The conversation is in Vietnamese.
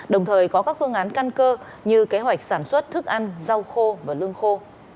đồng thời có các phương án căn cơ như kế hoạch sản xuất thức ăn rau khô và lương khô